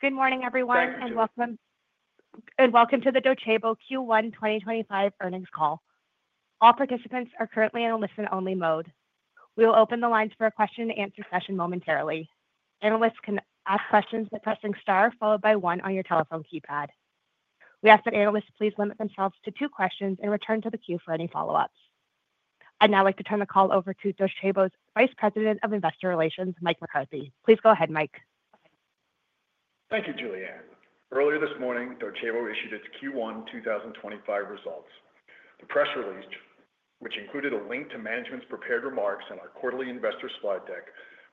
Good morning, everyone, and welcome to the Docebo Q1 2025 earnings call. All participants are currently in a listen-only mode. We will open the lines for a question-and-answer session momentarily. Analysts can ask questions by pressing star followed by one on your telephone keypad. We ask that analysts please limit themselves to two questions and return to the queue for any follow-ups. I'd now like to turn the call over to Docebo's Vice President of Investor Relations, Mike McCarthy. Please go ahead, Mike. Thank you, Juliette. Earlier this morning, Docebo issued its Q1 2025 results. The press release, which included a link to management's prepared remarks and our quarterly investor slide deck,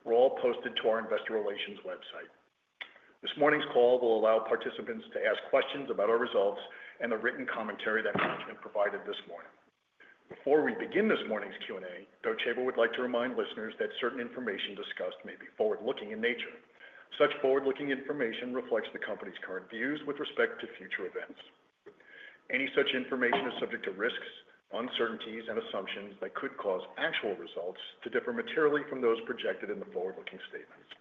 was all posted to our investor relations website. This morning's call will allow participants to ask questions about our results and the written commentary that management provided this morning. Before we begin this morning's Q&A, Docebo would like to remind listeners that certain information discussed may be forward-looking in nature. Such forward-looking information reflects the company's current views with respect to future events. Any such information is subject to risks, uncertainties, and assumptions that could cause actual results to differ materially from those projected in the forward-looking statements.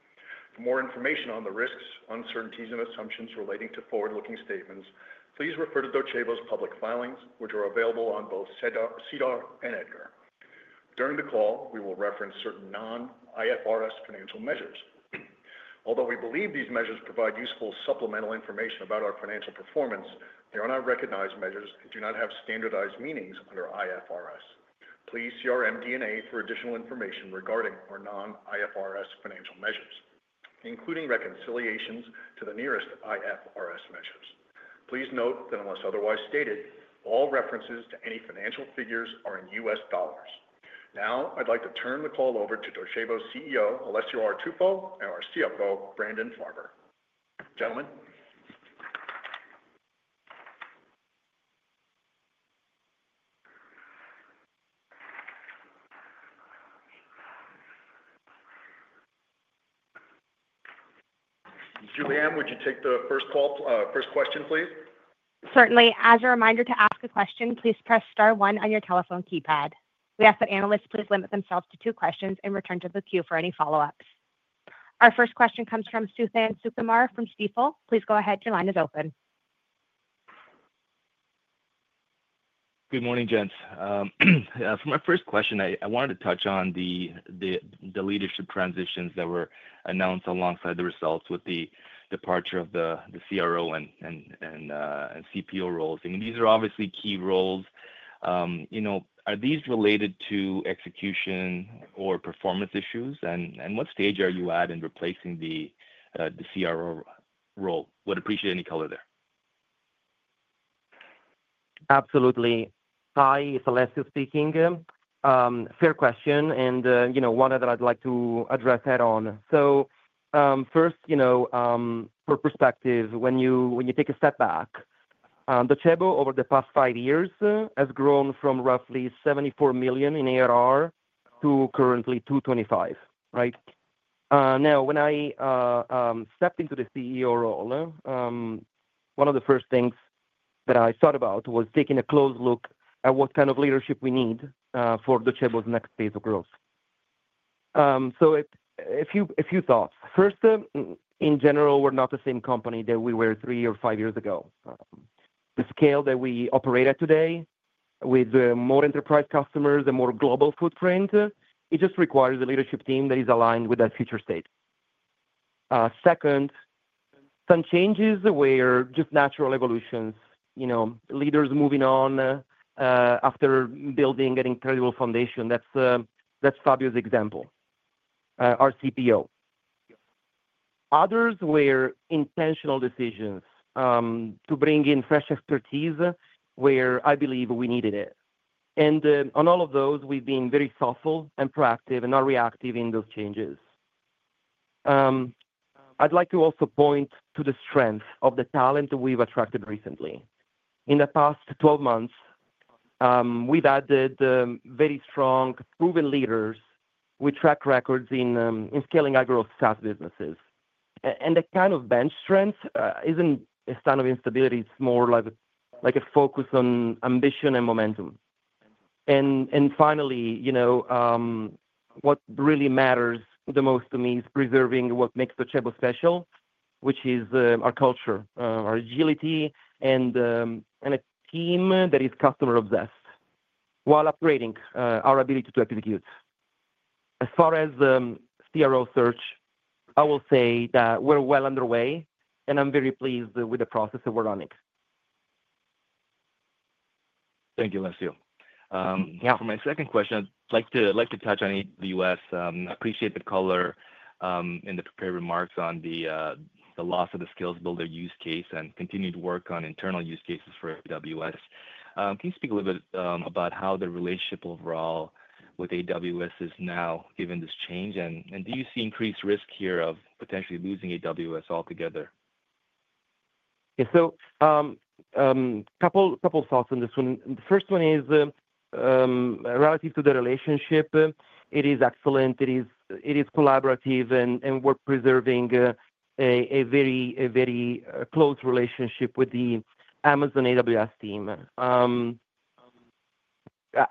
For more information on the risks, uncertainties, and assumptions relating to forward-looking statements, please refer to Docebo's public filings, which are available on both SEDAR and EDGAR. During the call, we will reference certain non-IFRS financial measures. Although we believe these measures provide useful supplemental information about our financial performance, they are not recognized measures and do not have standardized meanings under IFRS. Please see our MD&A for additional information regarding our non-IFRS financial measures, including reconciliations to the nearest IFRS measures. Please note that unless otherwise stated, all references to any financial figures are in U.S. dollars. Now, I'd like to turn the call over to Docebo's CEO, Alessio Artuffo, and our CFO, Brandon Farber. Gentlemen. Juliette, would you take the first question, please? Certainly. As a reminder to ask a question, please press star one on your telephone keypad. We ask that analysts please limit themselves to two questions and return to the queue for any follow-ups. Our first question comes from Suthan Sukumar from Stifel. Please go ahead. Your line is open. Good morning, gents. For my first question, I wanted to touch on the leadership transitions that were announced alongside the results with the departure of the CRO and CPO roles. These are obviously key roles. Are these related to execution or performance issues? What stage are you at in replacing the CRO role? Would appreciate any color there. Absolutely. Hi, Alessio speaking. Fair question, and one that I'd like to address head-on. First, for perspective, when you take a step back, Docebo over the past five years has grown from roughly $74 million in ARR to currently $225 million, right? Now, when I stepped into the CEO role, one of the first things that I thought about was taking a close look at what kind of leadership we need for Docebo's next phase of growth. A few thoughts. First, in general, we're not the same company that we were three or five years ago. The scale that we operate at today, with more enterprise customers and more global footprint, just requires a leadership team that is aligned with that future state. Second, some changes were just natural evolutions, leaders moving on after building an incredible foundation. That's Fabio's example, our CPO. Others were intentional decisions to bring in fresh expertise where I believe we needed it. On all of those, we've been very thoughtful and proactive and not reactive in those changes. I'd like to also point to the strength of the talent we've attracted recently. In the past 12 months, we've added very strong, proven leaders with track records in scaling agro-SaaS businesses. That kind of bench strength isn't a sign of instability. It's more like a focus on ambition and momentum. Finally, what really matters the most to me is preserving what makes Docebo special, which is our culture, our agility, and a team that is customer-obsessed while upgrading our ability to execute. As far as CRO search, I will say that we're well underway, and I'm very pleased with the process that we're running. Thank you, Alessio. For my second question, I'd like to touch on AWS. I appreciate the color and the prepared remarks on the loss of the Skills Builder use case and continued work on internal use cases for AWS. Can you speak a little bit about how the relationship overall with AWS is now given this change? Do you see increased risk here of potentially losing AWS altogether? Yeah, so a couple of thoughts on this one. The first one is relative to the relationship, it is excellent, it is collaborative, and we're preserving a very close relationship with the Amazon AWS team.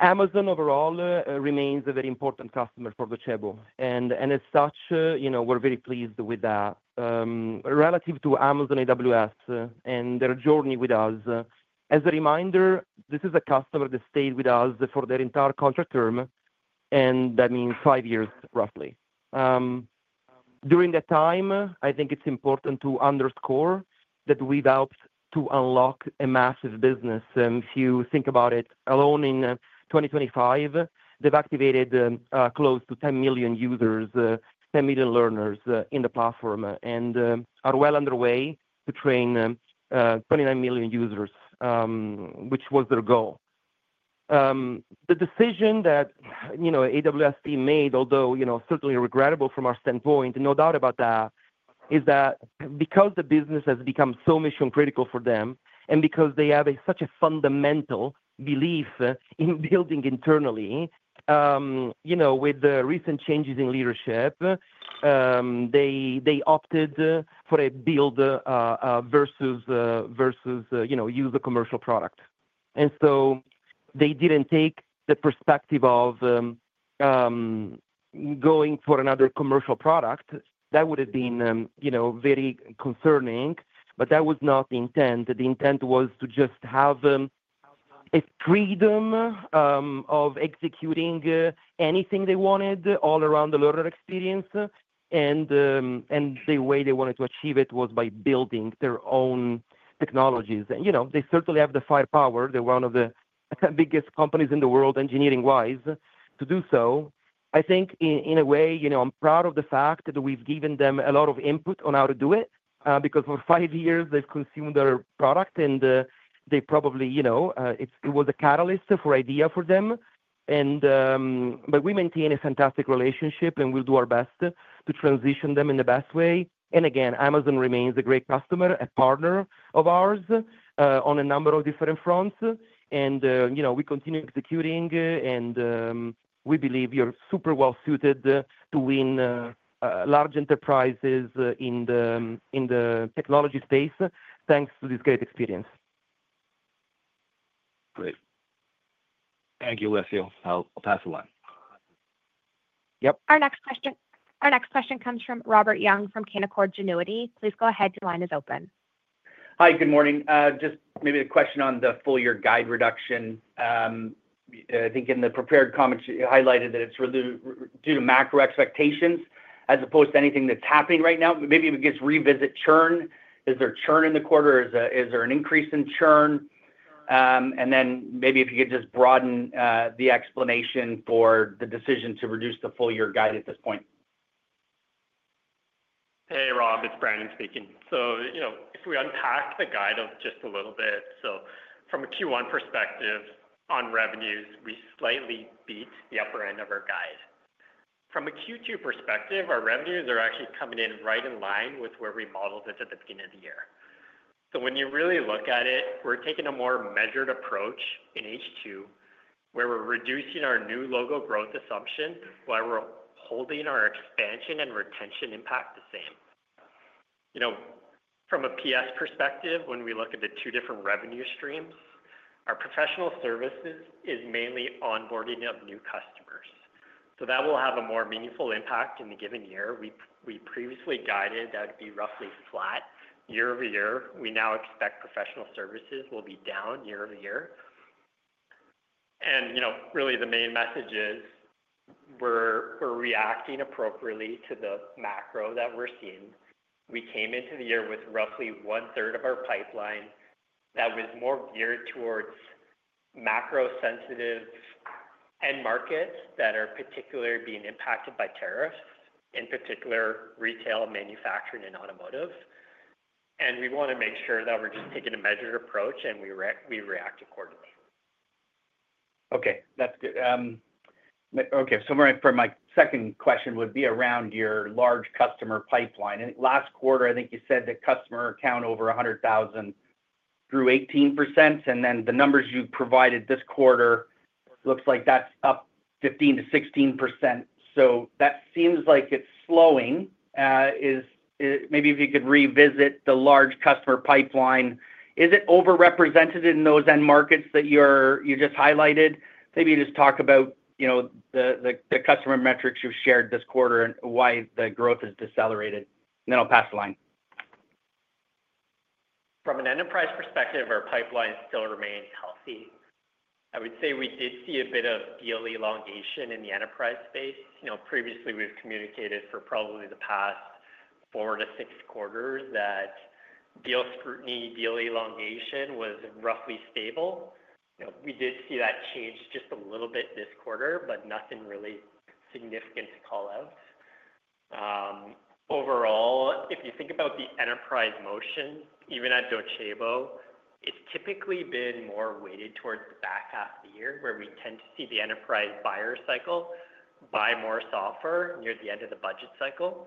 Amazon overall remains a very important customer for Docebo. As such, we're very pleased with that. Relative to Amazon AWS and their journey with us, as a reminder, this is a customer that stayed with us for their entire contract term, and that means five years, roughly. During that time, I think it's important to underscore that we've helped to unlock a massive business. If you think about it, alone in 2025, they've activated close to 10 million users, 10 million learners in the platform, and are well underway to train 29 million users, which was their goal. The decision that AWS team made, although certainly regrettable from our standpoint, no doubt about that, is that because the business has become so mission-critical for them and because they have such a fundamental belief in building internally, with the recent changes in leadership, they opted for a build versus use a commercial product. They did not take the perspective of going for another commercial product. That would have been very concerning, but that was not the intent. The intent was to just have a freedom of executing anything they wanted all around the learner experience. The way they wanted to achieve it was by building their own technologies. They certainly have the firepower. They are one of the biggest companies in the world engineering-wise to do so. I think in a way, I'm proud of the fact that we've given them a lot of input on how to do it because for five years they've consumed our product, and they probably it was a catalyst for idea for them. We maintain a fantastic relationship, and we'll do our best to transition them in the best way. Amazon remains a great customer, a partner of ours on a number of different fronts. We continue executing, and we believe we're super well-suited to win large enterprises in the technology space thanks to this great experience. Great. Thank you, Alessio. I'll pass the line. Yep. Our next question comes from Robert Young from Canaccord Genuity. Please go ahead. Your line is open. Hi, good morning. Just maybe a question on the full-year guide reduction. I think in the prepared comments you highlighted that it's due to macro expectations as opposed to anything that's happening right now. Maybe if you could just revisit churn. Is there churn in the quarter? Is there an increase in churn? Maybe if you could just broaden the explanation for the decision to reduce the full-year guide at this point. Hey, Rob, it's Brandon speaking. If we unpack the guide just a little bit, from a Q1 perspective on revenues, we slightly beat the upper end of our guide. From a Q2 perspective, our revenues are actually coming in right in line with where we modeled it at the beginning of the year. When you really look at it, we're taking a more measured approach in H2 where we're reducing our new logo growth assumption while we're holding our expansion and retention impact the same. From a PS perspective, when we look at the two different revenue streams, our professional services is mainly onboarding of new customers. That will have a more meaningful impact in the given year. We previously guided that would be roughly flat year over year. We now expect professional services will be down year over year. The main message is we're reacting appropriately to the macro that we're seeing. We came into the year with roughly one-third of our pipeline that was more geared towards macro-sensitive end markets that are particularly being impacted by tariffs, in particular retail, manufacturing, and automotive. We want to make sure that we're just taking a measured approach and we react accordingly. Okay, that's good. Okay, so for my second question would be around your large customer pipeline. Last quarter, I think you said that customer count over $100,000 grew 18%. And then the numbers you provided this quarter looks like that's up 15-16%. So that seems like it's slowing. Maybe if you could revisit the large customer pipeline, is it overrepresented in those end markets that you just highlighted? Maybe you just talk about the customer metrics you've shared this quarter and why the growth has decelerated. And then I'll pass the line. From an enterprise perspective, our pipeline still remains healthy. I would say we did see a bit of deal elongation in the enterprise space. Previously, we've communicated for probably the past four to six quarters that deal scrutiny, deal elongation was roughly stable. We did see that change just a little bit this quarter, but nothing really significant to call out. Overall, if you think about the enterprise motion, even at Docebo, it's typically been more weighted towards the back half of the year where we tend to see the enterprise buyer cycle buy more software near the end of the budget cycle.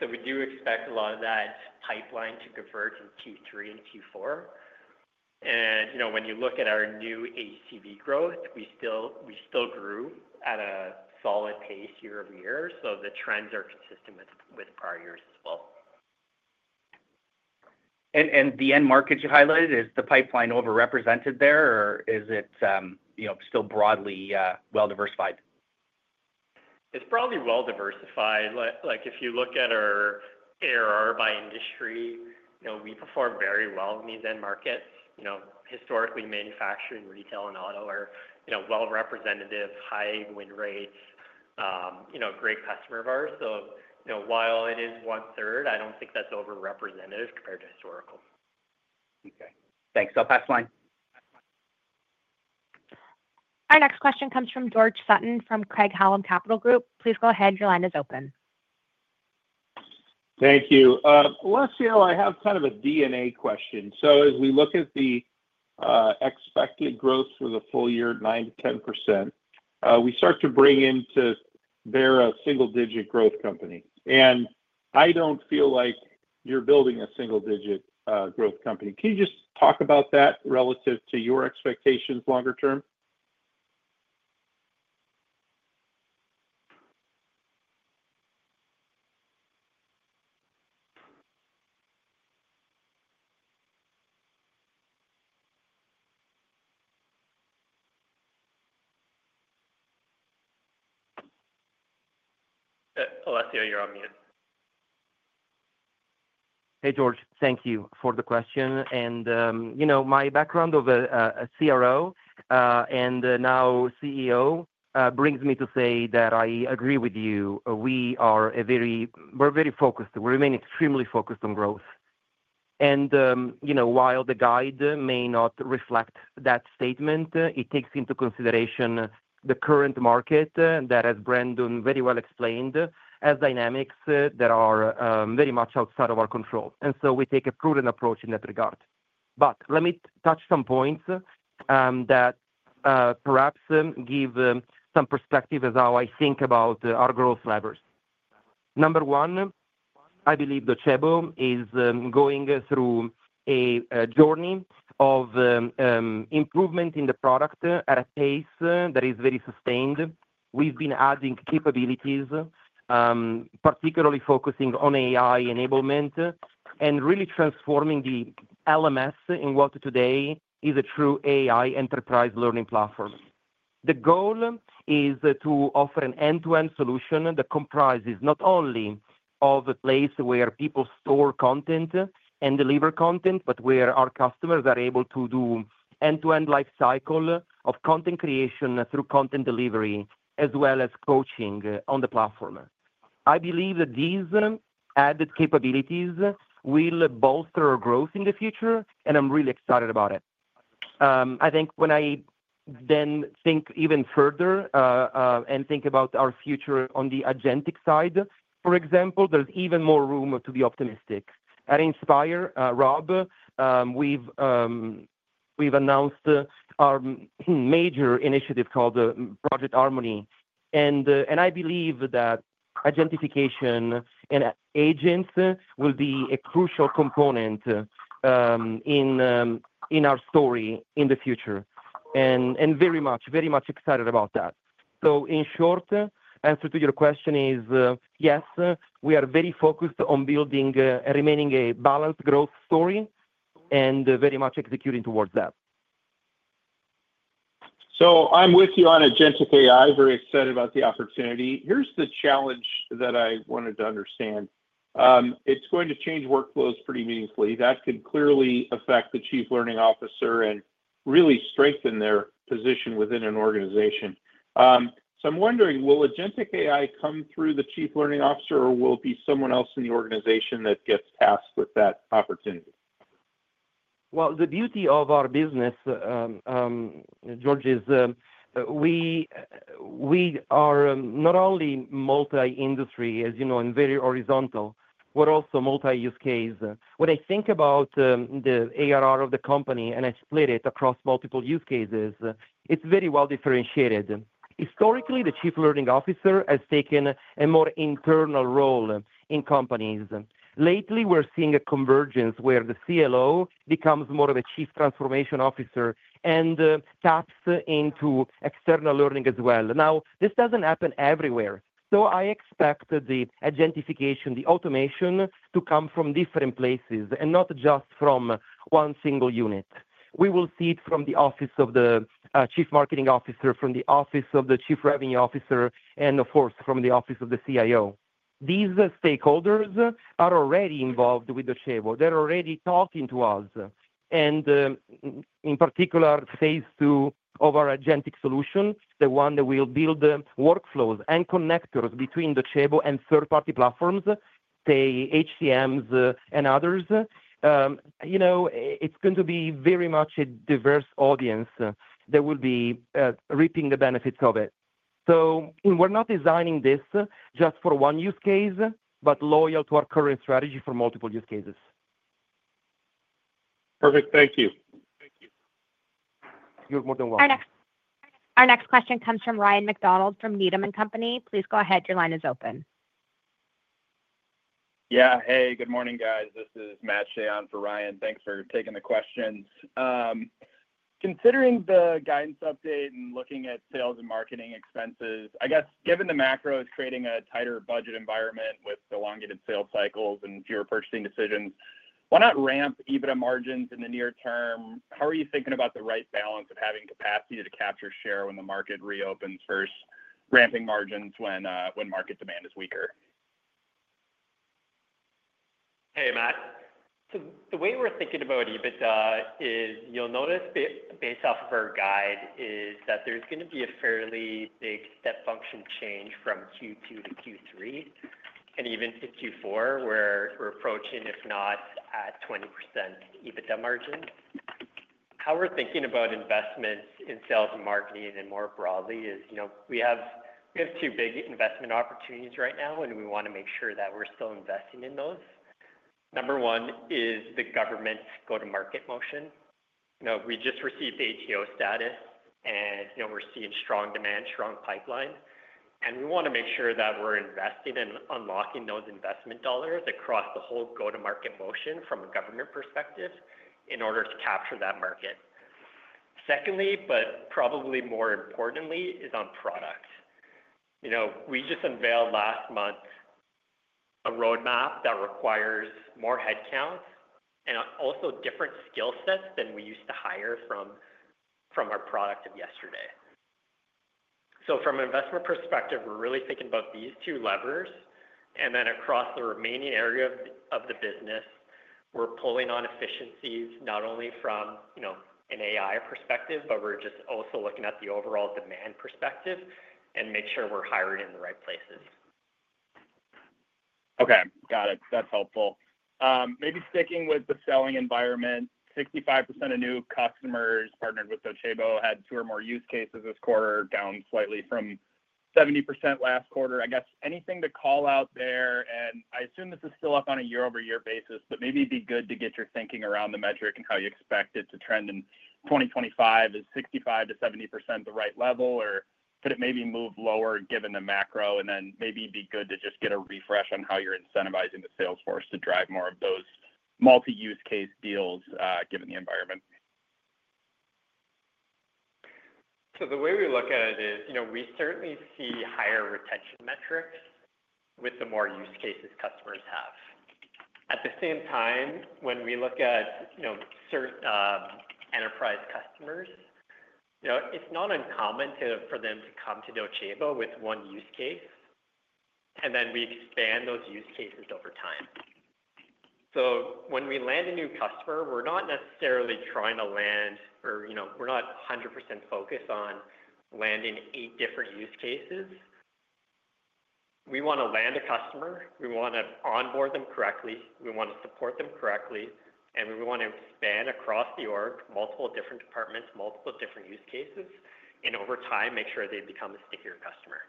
We do expect a lot of that pipeline to convert in Q3 and Q4. When you look at our new ACV growth, we still grew at a solid pace year-over-year. The trends are consistent with prior years as well. Is the end market you highlighted, is the pipeline overrepresented there, or is it still broadly well-diversified? It's probably well-diversified. If you look at our ARR by industry, we perform very well in these end markets. Historically, manufacturing, retail, and auto are well-representative, high win rates, great customer of ours. While it is one-third, I do not think that's overrepresentative compared to historical. Okay. Thanks. I'll pass the line. Our next question comes from George Sutton from Craig-Hallum Capital Group. Please go ahead. Your line is open. Thank you. Alessio, I have kind of a DNA question. As we look at the expected growth for the full year, 9%-10%, we start to bring in to bear a single-digit growth company. I do not feel like you are building a single-digit growth company. Can you just talk about that relative to your expectations longer term? Alessio, you're on mute. Hey, George. Thank you for the question. And my background of a CRO and now CEO brings me to say that I agree with you. We are very focused. We remain extremely focused on growth. While the guide may not reflect that statement, it takes into consideration the current market that, as Brandon very well explained, has dynamics that are very much outside of our control. We take a prudent approach in that regard. Let me touch some points that perhaps give some perspective as how I think about our growth levers. Number one, I believe Docebo is going through a journey of improvement in the product at a pace that is very sustained. We've been adding capabilities, particularly focusing on AI enablement and really transforming the LMS in what today is a true AI enterprise learning platform. The goal is to offer an end-to-end solution that comprises not only a place where people store content and deliver content, but where our customers are able to do end-to-end life cycle of content creation through content delivery as well as coaching on the platform. I believe that these added capabilities will bolster our growth in the future, and I'm really excited about it. I think when I then think even further and think about our future on the agentic side, for example, there's even more room to be optimistic. At Inspire, Rob, we've announced our major initiative called Project Harmony. I believe that identification and agents will be a crucial component in our story in the future. I am very much, very much excited about that. In short, the answer to your question is yes, we are very focused on building and remaining a balanced growth story and very much executing towards that. I'm with you on agentic AI. Very excited about the opportunity. Here's the challenge that I wanted to understand. It's going to change workflows pretty meaningfully. That could clearly affect the Chief Learning Officer and really strengthen their position within an organization. I'm wondering, will agentic AI come through the Chief Learning Officer, or will it be someone else in the organization that gets tasked with that opportunity? The beauty of our business, George, is we are not only multi-industry, as you know, and very horizontal, but also multi-use case. When I think about the ARR of the company and I split it across multiple use cases, it's very well differentiated. Historically, the Chief Learning Officer has taken a more internal role in companies. Lately, we're seeing a convergence where the CLO becomes more of a chief transformation officer and taps into external learning as well. Now, this doesn't happen everywhere. I expect the agentification, the automation to come from different places and not just from one single unit. We will see it from the office of the Chief Marketing Officer, from the office of the Chief Revenue Officer, and of course, from the office of the CIO. These stakeholders are already involved with Docebo. They're already talking to us. In particular, phase two of our agentic solution, the one that will build workflows and connectors between Docebo and third-party platforms, say, HCMs and others, is going to be very much a diverse audience that will be reaping the benefits of it. We are not designing this just for one use case, but loyal to our current strategy for multiple use cases. Perfect. Thank you. You're more than welcome. Our next question comes from Ryan MacDonald from Needham & Company. Please go ahead. Your line is open. Yeah. Hey, good morning, guys. This is Matt Shea for Ryan. Thanks for taking the questions. Considering the guidance update and looking at sales and marketing expenses, I guess given the macro is creating a tighter budget environment with elongated sales cycles and fewer purchasing decisions, why not ramp EBITDA margins in the near term? How are you thinking about the right balance of having capacity to capture share when the market reopens versus ramping margins when market demand is weaker? Hey, Matt. The way we're thinking about EBITDA is you'll notice based off of our guide is that there's going to be a fairly big step function change from Q2 to Q3 and even to Q4, where we're approaching, if not at, 20% EBITDA margins. How we're thinking about investments in sales and marketing and more broadly is we have two big investment opportunities right now, and we want to make sure that we're still investing in those. Number one is the government's go-to-market motion. We just received the ATO status, and we're seeing strong demand, strong pipeline. We want to make sure that we're investing and unlocking those investment dollars across the whole go-to-market motion from a government perspective in order to capture that market. Secondly, but probably more importantly, is on product. We just unveiled last month a roadmap that requires more headcount and also different skill sets than we used to hire from our product of yesterday. From an investment perspective, we're really thinking about these two levers. Across the remaining area of the business, we're pulling on efficiencies not only from an AI perspective, but we're just also looking at the overall demand perspective and make sure we're hiring in the right places. Okay. Got it. That's helpful. Maybe sticking with the selling environment, 65% of new customers partnered with Docebo had two or more use cases this quarter, down slightly from 70% last quarter. I guess anything to call out there? I assume this is still up on a year-over-year basis, but maybe it'd be good to get your thinking around the metric and how you expect it to trend in 2025. Is 65-70% the right level, or could it maybe move lower given the macro? Maybe it'd be good to just get a refresh on how you're incentivizing the salesforce to drive more of those multi-use case deals given the environment. The way we look at it is we certainly see higher retention metrics with the more use cases customers have. At the same time, when we look at enterprise customers, it's not uncommon for them to come to Docebo with one use case, and then we expand those use cases over time. When we land a new customer, we're not necessarily trying to land or we're not 100% focused on landing eight different use cases. We want to land a customer. We want to onboard them correctly. We want to support them correctly. We want to expand across the org, multiple different departments, multiple different use cases, and over time, make sure they become a stickier customer.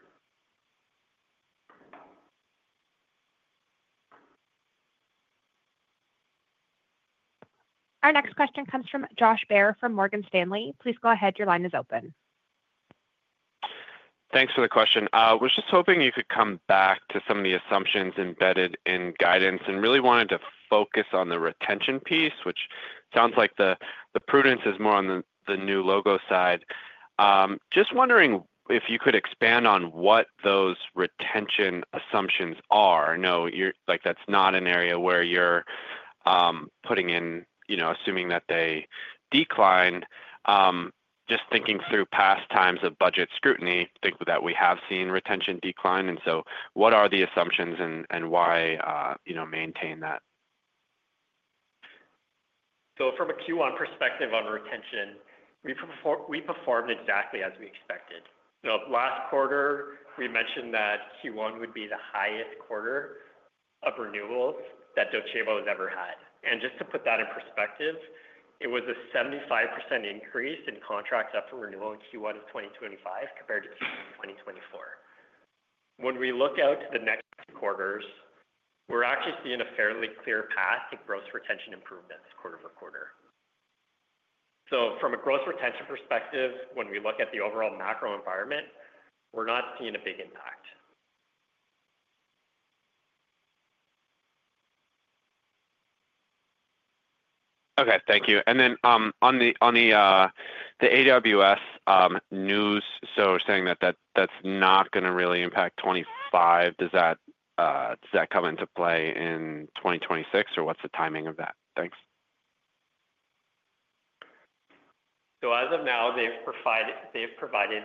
Our next question comes from Josh Baer from Morgan Stanley. Please go ahead. Your line is open. Thanks for the question. I was just hoping you could come back to some of the assumptions embedded in guidance and really wanted to focus on the retention piece, which sounds like the prudence is more on the new logo side. Just wondering if you could expand on what those retention assumptions are. No, that's not an area where you're putting in, assuming that they decline. Just thinking through past times of budget scrutiny, think that we have seen retention decline. What are the assumptions and why maintain that? From a Q1 perspective on retention, we performed exactly as we expected. Last quarter, we mentioned that Q1 would be the highest quarter of renewals that Docebo has ever had. Just to put that in perspective, it was a 75% increase in contracts after renewal in Q1 of 2025 compared to Q1 of 2024. When we look out to the next quarters, we're actually seeing a fairly clear path to gross retention improvements quarter over quarter. From a gross retention perspective, when we look at the overall macro environment, we're not seeing a big impact. Okay. Thank you. On the AWS news, saying that that is not going to really impact 2025, does that come into play in 2026, or what is the timing of that? Thanks. As of now, they've provided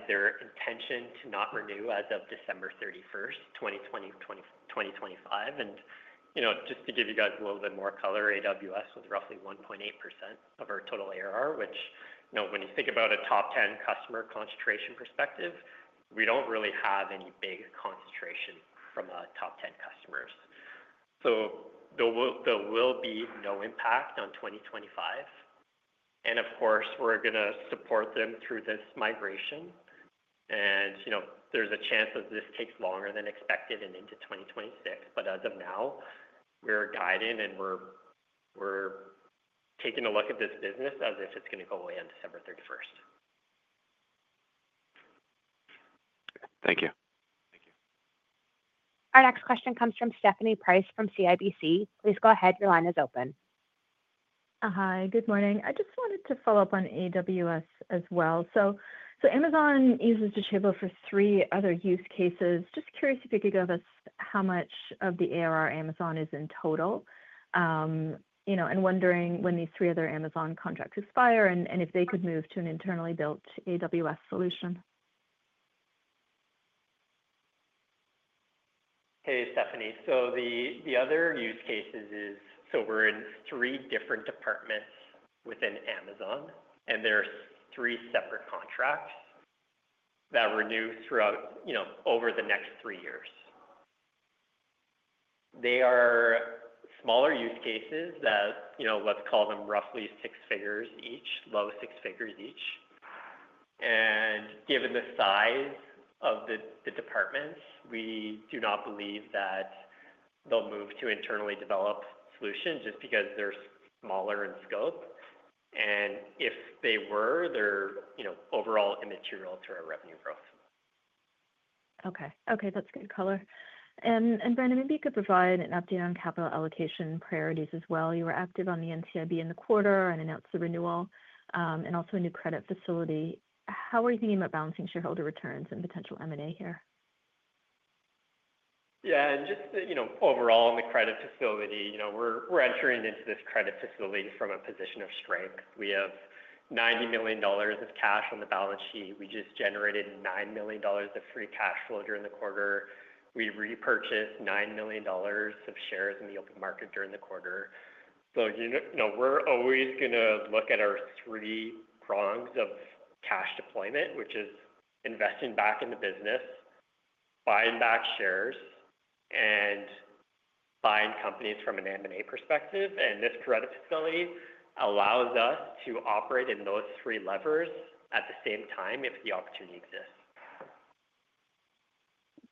their intention to not renew as of December 31, 2025. Just to give you guys a little bit more color, AWS was roughly 1.8% of our total ARR, which, when you think about a top 10 customer concentration perspective, we do not really have any big concentration from top 10 customers. There will be no impact on 2025. Of course, we are going to support them through this migration, and there is a chance that this takes longer than expected and into 2026. As of now, we are guiding, and we are taking a look at this business as if it is going to go away on December 31. Thank you. Thank you. Our next question comes from Stephanie Price from CIBC. Please go ahead. Your line is open. Hi, good morning. I just wanted to follow up on AWS as well. Amazon uses Docebo for three other use cases. Just curious if you could give us how much of the ARR Amazon is in total. I am wondering when these three other Amazon contracts expire and if they could move to an internally built AWS solution. Hey, Stephanie. The other use case is we're in three different departments within Amazon, and there are three separate contracts that renew over the next three years. They are smaller use cases that, let's call them, roughly six figures each, low six figures each. Given the size of the departments, we do not believe that they'll move to internally developed solutions just because they're smaller in scope. If they were, they're overall immaterial to our revenue growth. Okay. Okay. That's good color. Brandon, maybe you could provide an update on capital allocation priorities as well. You were active on the NCIB in the quarter and announced the renewal and also a new credit facility. How are you thinking about balancing shareholder returns and potential M&A here? Yeah. Just overall on the credit facility, we're entering into this credit facility from a position of strength. We have $90 million of cash on the balance sheet. We just generated $9 million of free cash flow during the quarter. We repurchased $9 million of shares in the open market during the quarter. We're always going to look at our three prongs of cash deployment, which is investing back in the business, buying back shares, and buying companies from an M&A perspective. This credit facility allows us to operate in those three levers at the same time if the opportunity exists.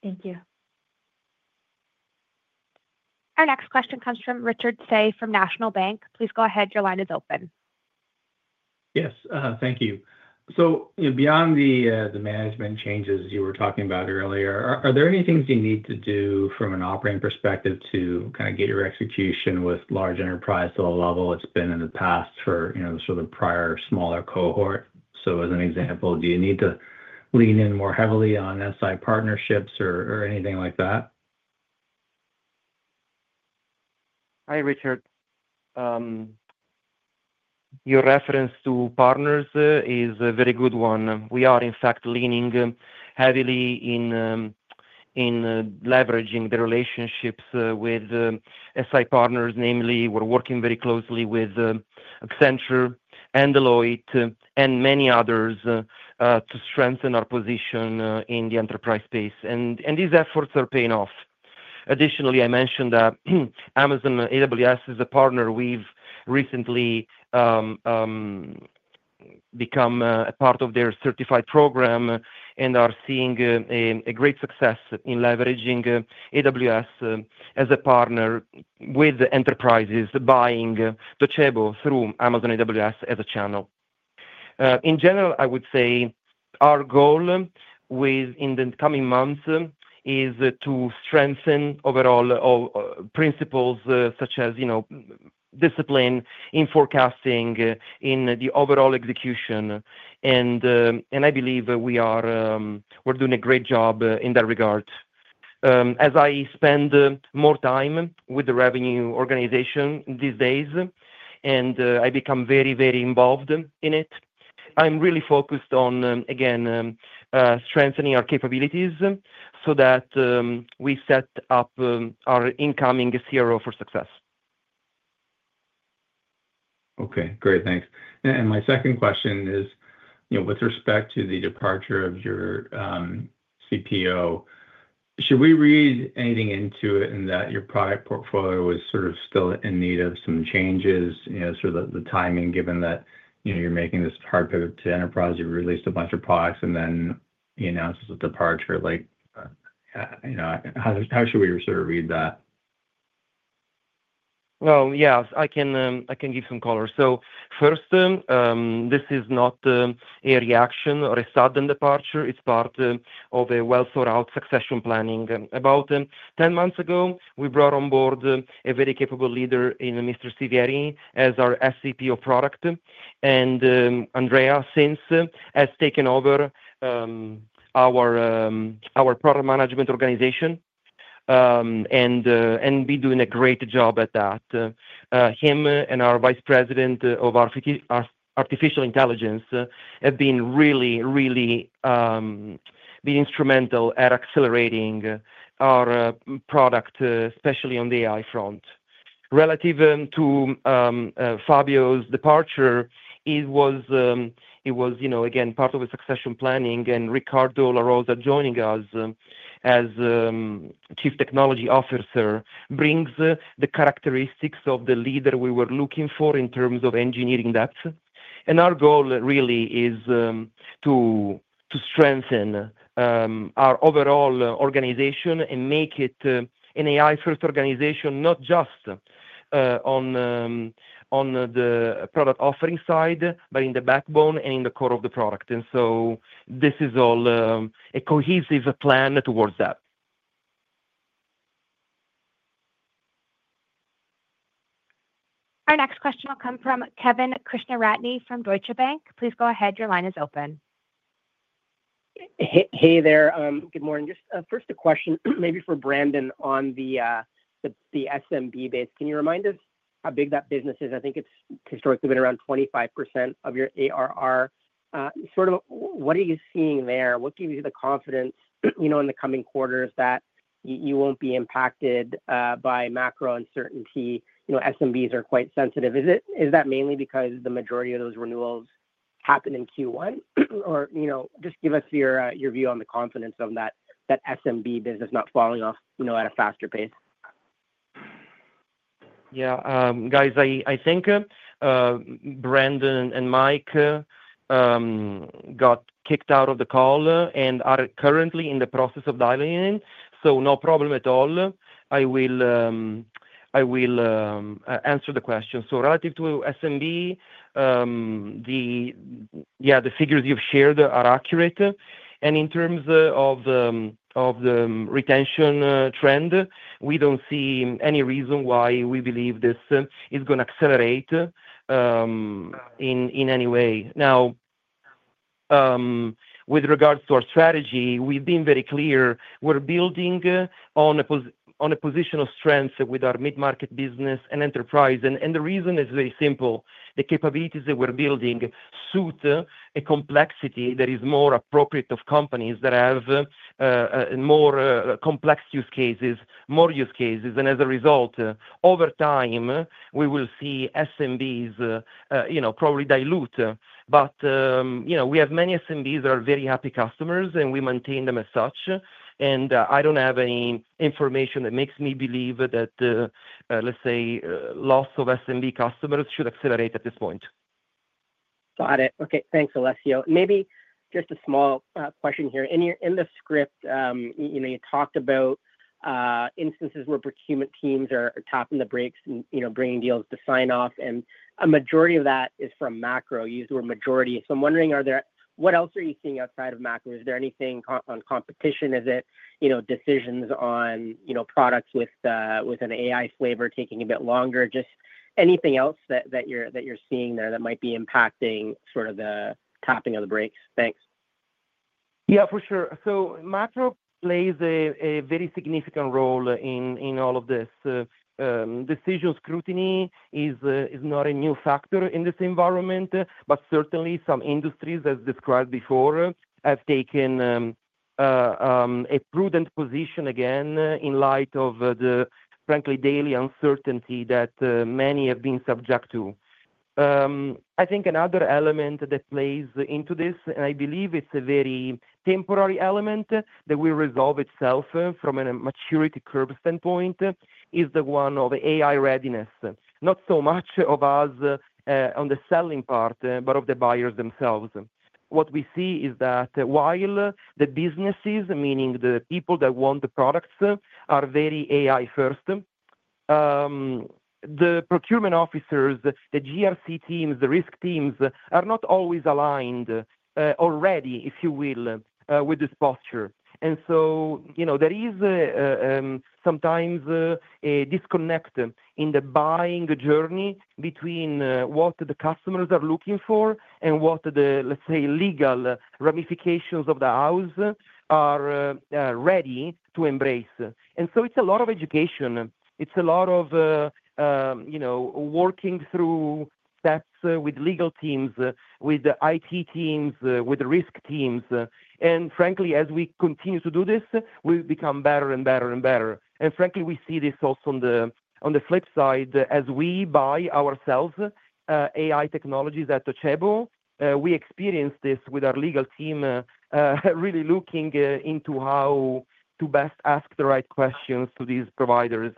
Thank you. Our next question comes from Richard Tse from National Bank. Please go ahead. Your line is open. Yes. Thank you. Beyond the management changes you were talking about earlier, are there any things you need to do from an operating perspective to kind of get your execution with large enterprise to the level it's been in the past for sort of the prior smaller cohort? As an example, do you need to lean in more heavily on SI partnerships or anything like that? Hi, Richard. Your reference to partners is a very good one. We are, in fact, leaning heavily in leveraging the relationships with SI partners. Namely, we're working very closely with Accenture, Deloitte, and many others to strengthen our position in the enterprise space. These efforts are paying off. Additionally, I mentioned that Amazon AWS is a partner. We've recently become a part of their certified program and are seeing great success in leveraging AWS as a partner with enterprises buying Docebo through Amazon AWS as a channel. In general, I would say our goal in the coming months is to strengthen overall principles such as discipline in forecasting, in the overall execution. I believe we're doing a great job in that regard. As I spend more time with the revenue organization these days and I become very, very involved in it, I'm really focused on, again, strengthening our capabilities so that we set up our incoming CRO for success. Okay. Great. Thanks. My second question is, with respect to the departure of your CPO, should we read anything into it in that your product portfolio was sort of still in need of some changes? The timing, given that you're making this hard pivot to enterprise, you released a bunch of products, and then the announcement of departure, how should we sort of read that? Yes, I can give some colors. First, this is not a reaction or a sudden departure. It is part of a well-thought-out succession planning. About 10 months ago, we brought on board a very capable leader in Mr. Sivieri as our SVP product. Andrea Sivieri has taken over our product management organization and been doing a great job at that. Him and our Vice President of Artificial Intelligence have been really, really instrumental at accelerating our product, especially on the AI front. Relative to Fabio's departure, it was, again, part of the succession planning. Riccardo La Rosa joining us as Chief Technology Officer brings the characteristics of the leader we were looking for in terms of engineering depth. Our goal really is to strengthen our overall organization and make it an AI-first organization, not just on the product offering side, but in the backbone and in the core of the product. This is all a cohesive plan towards that. Our next question will come from Kevin Krishnaratne from Scotiabank. Please go ahead. Your line is open. Hey there. Good morning. Just first, a question maybe for Brandon on the SMB base. Can you remind us how big that business is? I think it's historically been around 25% of your ARR. Sort of what are you seeing there? What gives you the confidence in the coming quarters that you won't be impacted by macro uncertainty? SMBs are quite sensitive. Is that mainly because the majority of those renewals happen in Q1? Or just give us your view on the confidence of that SMB business not falling off at a faster pace. Yeah. Guys, I think Brandon and Mike got kicked out of the call and are currently in the process of dialing in. No problem at all. I will answer the question. Relative to SMB, yeah, the figures you've shared are accurate. In terms of the retention trend, we don't see any reason why we believe this is going to accelerate in any way. Now, with regards to our strategy, we've been very clear. We're building on a position of strength with our mid-market business and enterprise. The reason is very simple. The capabilities that we're building suit a complexity that is more appropriate of companies that have more complex use cases, more use cases. As a result, over time, we will see SMBs probably dilute. We have many SMBs that are very happy customers, and we maintain them as such. I don't have any information that makes me believe that, let's say, lots of SMB customers should accelerate at this point. Got it. Okay. Thanks, Alessio. Maybe just a small question here. In the script, you talked about instances where procurement teams are tapping the brakes, bringing deals to sign off. A majority of that is from macro. You used the word majority. I am wondering, what else are you seeing outside of macro? Is there anything on competition? Is it decisions on products with an AI flavor taking a bit longer? Just anything else that you are seeing there that might be impacting sort of the tapping of the brakes? Thanks. Yeah, for sure. Macro plays a very significant role in all of this. Decision scrutiny is not a new factor in this environment, but certainly some industries, as described before, have taken a prudent position again in light of the, frankly, daily uncertainty that many have been subject to. I think another element that plays into this, and I believe it is a very temporary element that will resolve itself from a maturity curve standpoint, is the one of AI readiness. Not so much of us on the selling part, but of the buyers themselves. What we see is that while the businesses, meaning the people that want the products, are very AI-first, the procurement officers, the GRC teams, the risk teams are not always aligned already, if you will, with this posture. There is sometimes a disconnect in the buying journey between what the customers are looking for and what the, let's say, legal ramifications of the house are ready to embrace. It is a lot of education. It is a lot of working through steps with legal teams, with IT teams, with risk teams. Frankly, as we continue to do this, we become better and better and better. Frankly, we see this also on the flip side. As we buy ourselves AI technologies at Docebo, we experience this with our legal team really looking into how to best ask the right questions to these providers.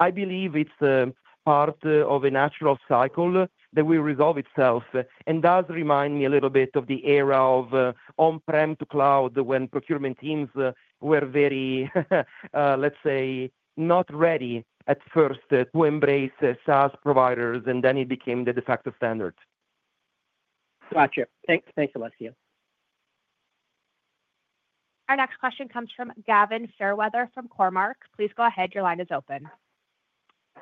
I believe it's part of a natural cycle that will resolve itself and does remind me a little bit of the era of on-prem to cloud when procurement teams were very, let's say, not ready at first to embrace SaaS providers, and then it became the de facto standard. Gotcha. Thanks, Alessio. Our next question comes from Gavin Fairweather from Cormark. Please go ahead. Your line is open.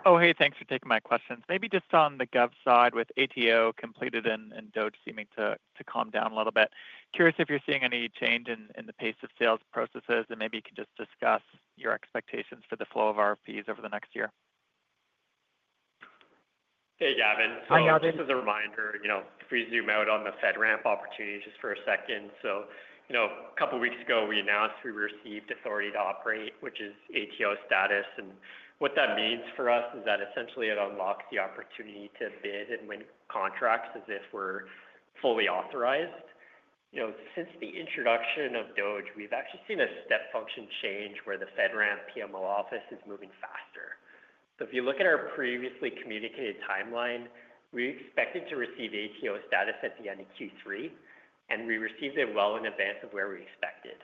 Oh, hey. Thanks for taking my questions. Maybe just on the gov side with ATO completed and Docebo seeming to calm down a little bit. Curious if you're seeing any change in the pace of sales processes and maybe you can just discuss your expectations for the flow of RFPs over the next year. Hey, Gavin. Just as a reminder, if we zoom out on the FedRAMP opportunity just for a second. A couple of weeks ago, we announced we received authority to operate, which is ATO status. What that means for us is that essentially it unlocks the opportunity to bid and win contracts as if we're fully authorized. Since the introduction of Docebo, we've actually seen a step function change where the FedRAMP PMO office is moving faster. If you look at our previously communicated timeline, we expected to receive ATO status at the end of Q3, and we received it well in advance of where we expected.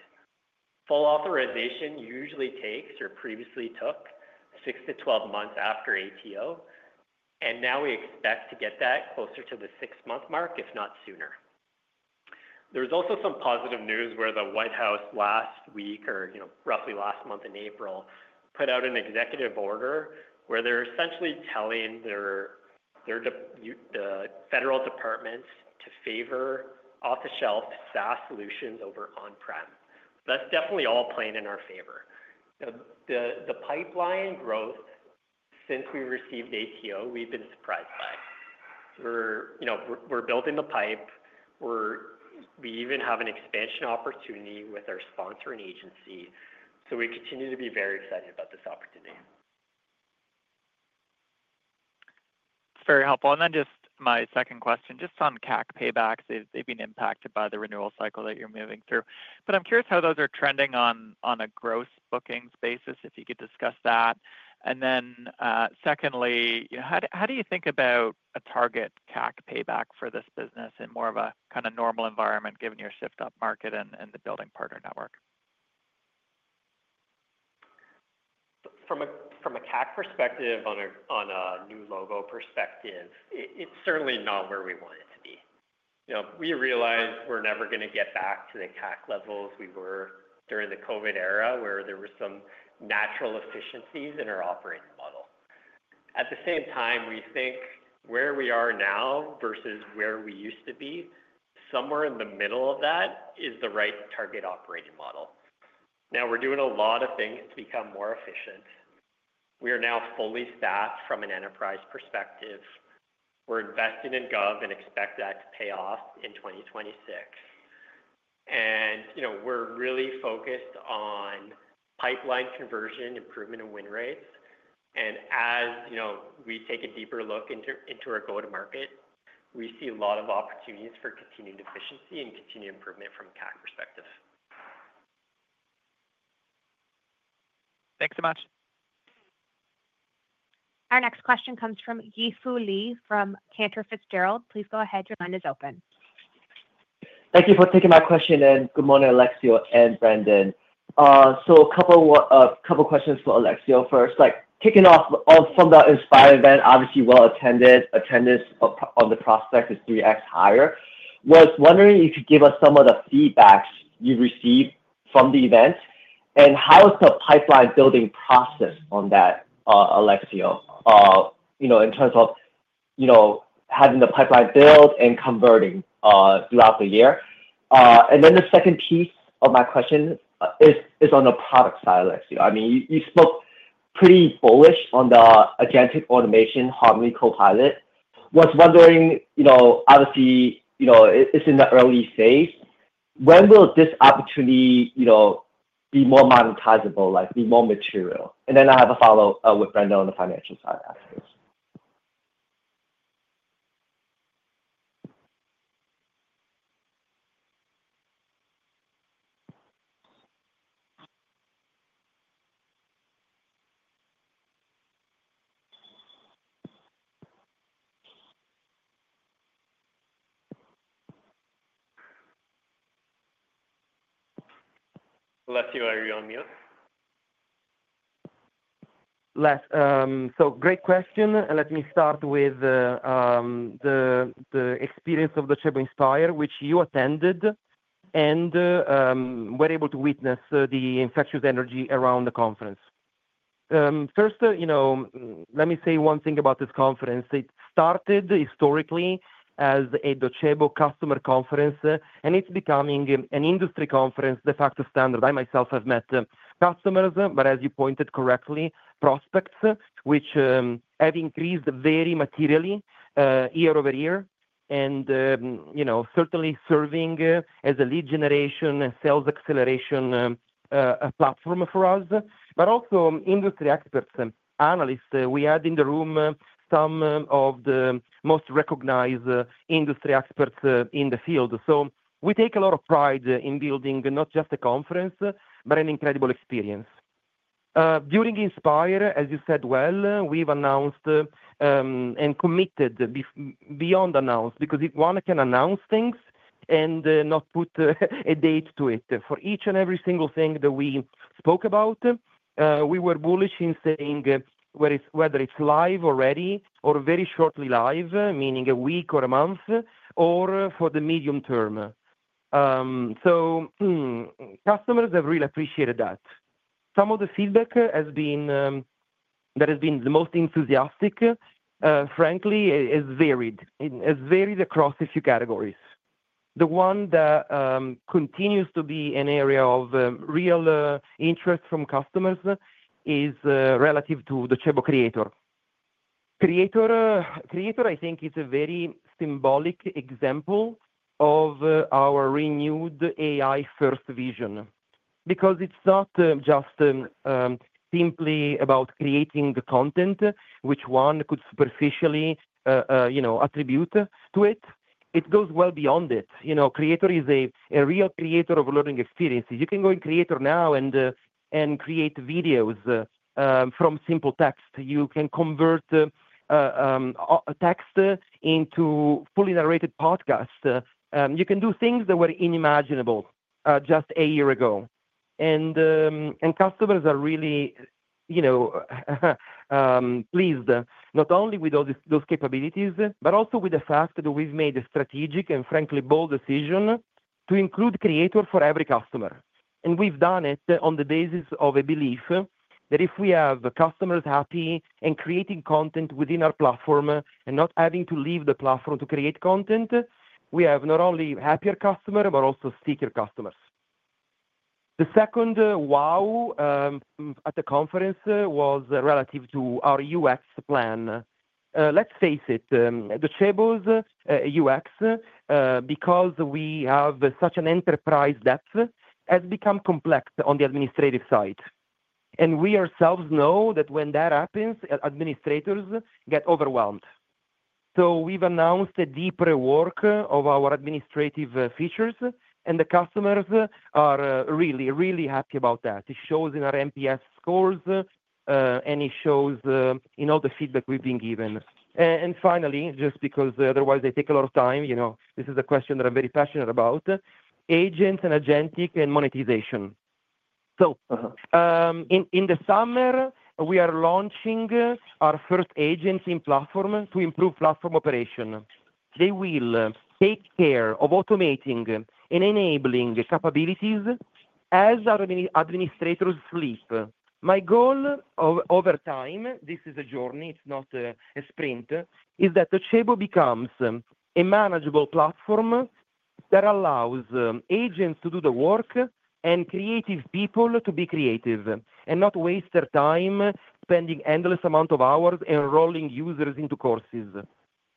Full authorization usually takes or previously took 6-12 months after ATO, and now we expect to get that closer to the 6-month mark, if not sooner. There's also some positive news where the White House last week or roughly last month in April put out an executive order where they're essentially telling the federal departments to favor off-the-shelf SaaS solutions over on-prem. That's definitely all playing in our favor. The pipeline growth since we received ATO, we've been surprised by. We're building the pipe. We even have an expansion opportunity with our sponsoring agency. We continue to be very excited about this opportunity. Very helpful. Just my second question, just on CAC paybacks, they've been impacted by the renewal cycle that you're moving through. I'm curious how those are trending on a gross bookings basis, if you could discuss that. Secondly, how do you think about a target CAC payback for this business in more of a kind of normal environment given your shift-up market and the building partner network? From a CAC perspective, on a new logo perspective, it's certainly not where we want it to be. We realize we're never going to get back to the CAC levels we were during the COVID era where there were some natural efficiencies in our operating model. At the same time, we think where we are now versus where we used to be, somewhere in the middle of that is the right target operating model. Now, we're doing a lot of things to become more efficient. We are now fully staffed from an enterprise perspective. We're investing in gov and expect that to pay off in 2026. We're really focused on pipeline conversion, improvement of win rates. As we take a deeper look into our go-to-market, we see a lot of opportunities for continued efficiency and continued improvement from a CAC perspective. Thanks so much. Our next question comes from Yi Fu Lee from Cantor Fitzgerald. Please go ahead. Your line is open. Thank you for taking my question. Good morning, Alessio and Brandon. A couple of questions for Alessio first. Kicking off from the Inspire event, obviously well attended, attendance on the prospect is 3x higher. I was wondering if you could give us some of the feedback you've received from the event and how is the pipeline building process on that, Alessio, in terms of having the pipeline built and converting throughout the year. The second piece of my question is on the product side, Alessio. I mean, you spoke pretty bullish on the agentic automation Harmony Copilot. I was wondering, obviously, it's in the early phase. When will this opportunity be more monetizable, be more material? I have a follow-up with Brandon on the financial side after this. Alessio, are you on mute? Great question. Let me start with the experience of Docebo Inspire, which you attended and were able to witness the infectious energy around the conference. First, let me say one thing about this conference. It started historically as a Docebo customer conference, and it is becoming an industry conference de facto standard. I myself have met customers, but as you pointed correctly, prospects, which have increased very materially year over year and certainly serving as a lead generation and sales acceleration platform for us, but also industry experts, analysts. We had in the room some of the most recognized industry experts in the field. We take a lot of pride in building not just a conference, but an incredible experience. During Inspire, as you said well, we have announced and committed beyond announced because one can announce things and not put a date to it. For each and every single thing that we spoke about, we were bullish in saying whether it's live already or very shortly live, meaning a week or a month, or for the medium term. Customers have really appreciated that. Some of the feedback that has been the most enthusiastic, frankly, has varied across a few categories. The one that continues to be an area of real interest from customers is relative to Docebo Creator. Creator, I think, is a very symbolic example of our renewed AI-first vision because it's not just simply about creating the content, which one could superficially attribute to it. It goes well beyond it. Creator is a real creator of learning experiences. You can go in Creator now and create videos from simple text. You can convert text into fully narrated podcasts. You can do things that were unimaginable just a year ago. Customers are really pleased not only with those capabilities, but also with the fact that we have made a strategic and frankly bold decision to include Creator for every customer. We have done it on the basis of a belief that if we have customers happy and creating content within our platform and not having to leave the platform to create content, we have not only happier customers, but also stickier customers. The second wow at the conference was relative to our UX plan. Let's face it, Docebo's UX, because we have such an enterprise depth, has become complex on the administrative side. We ourselves know that when that happens, administrators get overwhelmed. We have announced a deeper work of our administrative features, and the customers are really, really happy about that. It shows in our MPS scores, and it shows in all the feedback we have been given. Finally, just because otherwise they take a lot of time, this is a question that I'm very passionate about, agents and agentic and monetization. In the summer, we are launching our first agency platform to improve platform operation. They will take care of automating and enabling capabilities as our administrators sleep. My goal over time, this is a journey, it's not a sprint, is that Docebo becomes a manageable platform that allows agents to do the work and creative people to be creative and not waste their time spending endless amounts of hours enrolling users into courses.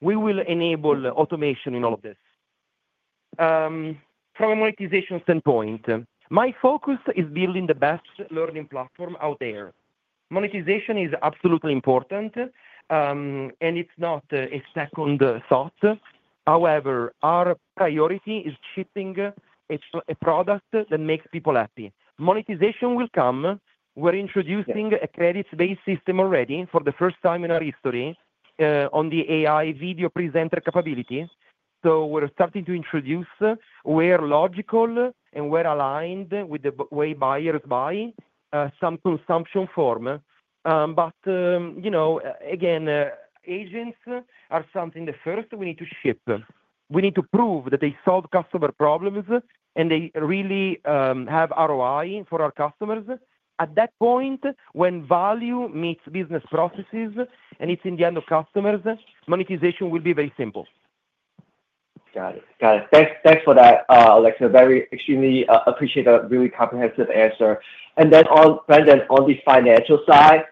We will enable automation in all of this. From a monetization standpoint, my focus is building the best learning platform out there. Monetization is absolutely important, and it's not a second thought. However, our priority is shipping a product that makes people happy. Monetization will come. We're introducing a credits-based system already for the first time in our history on the AI video presenter capability. We're starting to introduce where logical and where aligned with the way buyers buy some consumption form. Again, agents are something the first we need to ship. We need to prove that they solve customer problems and they really have ROI for our customers. At that point, when value meets business processes and it's in the end of customers, monetization will be very simple. Got it. Got it. Thanks for that, Alessio. Very extremely appreciate a really comprehensive answer. On the financial side,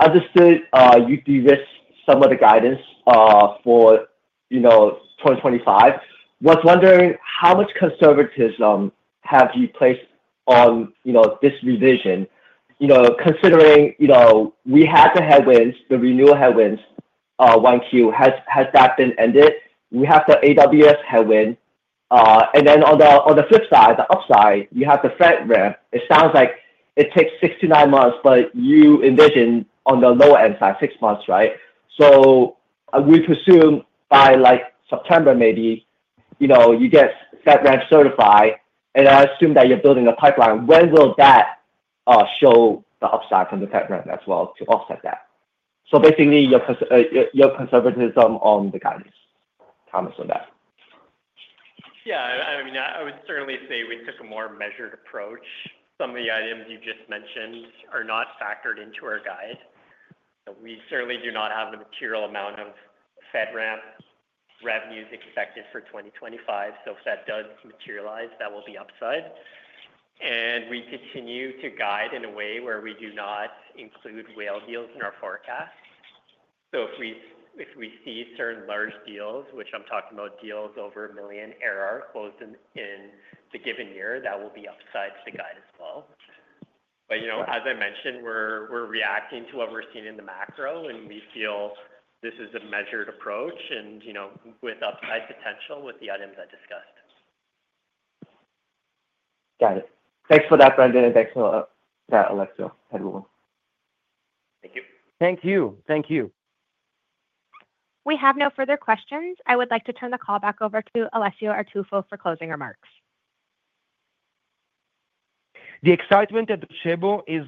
understood you'd be with some of the guidance for 2025. I was wondering how much conservatism have you placed on this revision? Considering we had the headwinds, the renewal headwinds, Q1, has that been ended? We have the AWS headwind. On the flip side, the upside, you have the FedRAMP. It sounds like it takes 6-9 months, but you envision on the lower end side, 6 months, right? We presume by September maybe you get FedRAMP certified, and I assume that you're building a pipeline. When will that show the upside from the FedRAMP as well to offset that? Basically, your conservatism on the guidance. Comments on that? Yeah. I mean, I would certainly say we took a more measured approach. Some of the items you just mentioned are not factored into our guide. We certainly do not have a material amount of FedRAMP revenues expected for 2025. If that does materialize, that will be upside. We continue to guide in a way where we do not include whale deals in our forecast. If we see certain large deals, which I'm talking about deals over $1 million ARR closed in the given year, that will be upside to the guide as well. As I mentioned, we're reacting to what we're seeing in the macro, and we feel this is a measured approach with upside potential with the items I discussed. Got it. Thanks for that, Brandon, and thanks for that, Alessio. Have a good one. Thank you. Thank you. Thank you. We have no further questions. I would like to turn the call back over to Alessio Artuffo for closing remarks. The excitement at Docebo is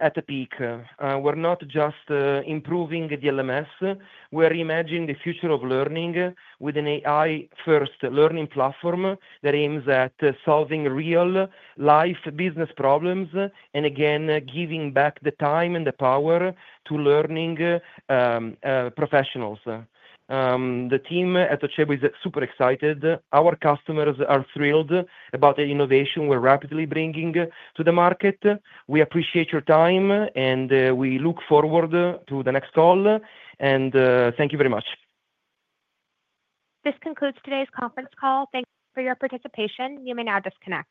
at a peak. We're not just improving the LMS. We're imagining the future of learning with an AI-first learning platform that aims at solving real-life business problems and again, giving back the time and the power to learning professionals. The team at Docebo is super excited. Our customers are thrilled about the innovation we're rapidly bringing to the market. We appreciate your time, and we look forward to the next call. Thank you very much. This concludes today's conference call. Thank you for your participation. You may now disconnect.